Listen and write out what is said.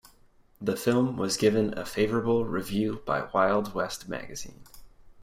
The film was given a favorable review by Wild West Magazine.